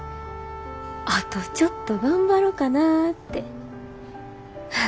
あとちょっと頑張ろかなて。